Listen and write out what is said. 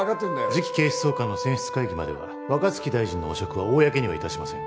次期警視総監の選出会議までは若槻大臣の汚職は公には致しません。